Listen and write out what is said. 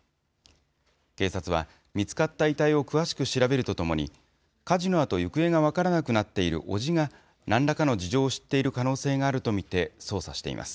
警察は、見つかった遺体を詳しく調べるとともに、火事のあと、行方が分からなくなっている伯父がなんらかの事情を知っている可